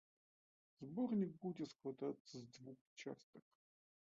Зборнік будзе складацца з дзвюх частак.